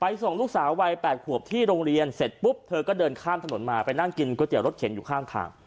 ส่งลูกสาววัย๘ขวบที่โรงเรียนเสร็จปุ๊บเธอก็เดินข้ามถนนมาไปนั่งกินก๋วเตี๋ยรถเข็นอยู่ข้างทาง